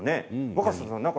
若狭さん